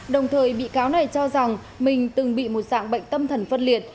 đồng thời bị cáo này cho rằng mình từng bị một dạng bệnh tâm thần phân liệt